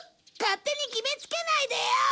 勝手に決めつけないでよ！